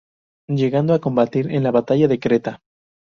Llegando a combatir en la Batalla de Creta.